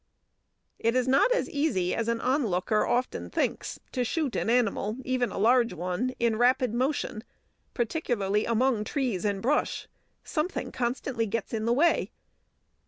It is not as easy as an onlooker often thinks to shoot an animal, even a large one, in rapid motion, particularly among trees and brush; something constantly gets in the way.